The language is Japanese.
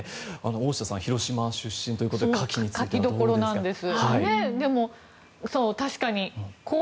大下さん、広島出身ということでカキどころなんです。